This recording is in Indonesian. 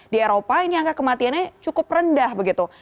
di eropa ini angka kematiannya cukup rendah begitu